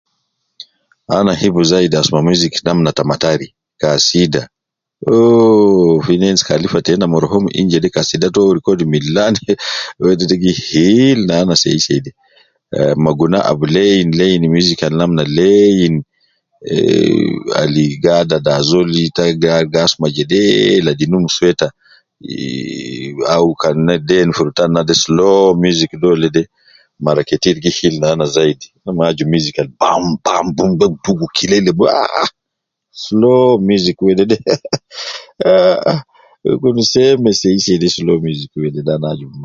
Ana hibu zaidi asuma music namna ta matari, kaswida ,uwoooo ina endis khalifa tena marhum in jede kaswida too uwoo record milan, wedede gi hiilu nana sei sei de, ma guna ab lain lain music al namna laiiin, eehhh al gi adada azol tigia gasuma jedeee ladi num soo ita eehhh au Kan ina den fi rutan naade slow music dolede mara ketir gi hilu nana zaidi, na maju music al bam bam bum bum dugu kilele ah ah ah ,slow music wedede ah ah ah, ehhh gi kun seeme slow music wedede ana aju